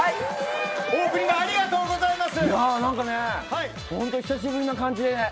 オープニングありがとうございます。